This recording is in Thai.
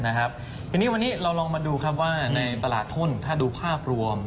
ทีนี้วันนี้เราลองมาดูครับว่าในตลาดทุนถ้าดูภาพรวม